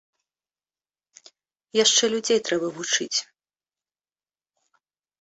Яшчэ людзей трэба вучыць.